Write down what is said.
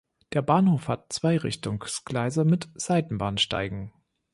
Der Bahnhof hat zwei Richtungsgleise mit Seitenbahnsteigen.